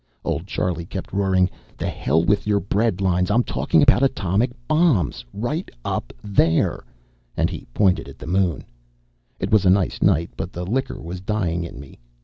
Old Charlie kept roaring: "The hell with your breadlines! I'm talking about atomic bombs. Right up there!" And he pointed at the Moon. It was a nice night, but the liquor was dying in me.